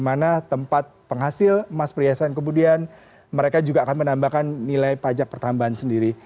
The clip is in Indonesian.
karena tempat penghasil emas perhiasan kemudian mereka juga akan menambahkan nilai pajak pertambahan sendiri